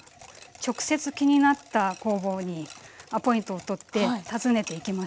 直接気になった工房にアポイントを取って訪ねていきました。